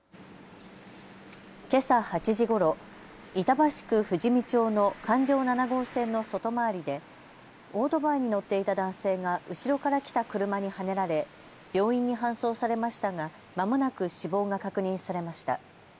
けさ８時ごろ、板橋区富士見町の環状７号線の外回りでオートバイに乗っていた男性が後ろから来た車にはねられ病院に搬送されましたがまもなく死亡が確認されました。